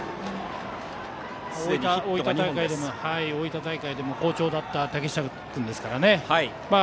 大分大会でも好調だった竹下君ですからね。